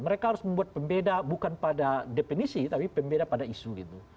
mereka harus membuat pembeda bukan pada definisi tapi pembeda pada isu gitu